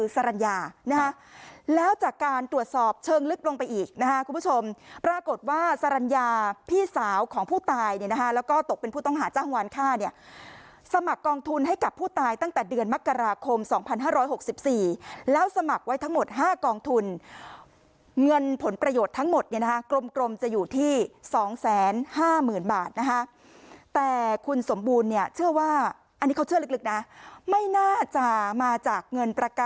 ตรวจสอบเชิงลึกลงไปอีกนะฮะคุณผู้ชมปรากฏว่าสรรญาพี่สาวของผู้ตายเนี่ยนะฮะแล้วก็ตกเป็นผู้ต้องหาจ้างหวานค่าเนี่ยสมัครกองทุนให้กับผู้ตายตั้งแต่เดือนมกราคมสองพันห้าร้อยหกสิบสี่แล้วสมัครไว้ทั้งหมดห้ากองทุนเงินผลประโยชน์ทั้งหมดเนี่ยนะฮะกลมกลมจะอยู่ที่สองแสนห้าหมื่นบาทนะฮะแต่ค